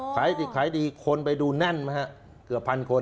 ขายดีคนไปดูแน่นนะฮะเกือบพันคน